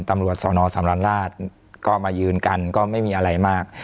ตำรวจสนสำราญราชก็มายืนกันก็ไม่มีอะไรมาก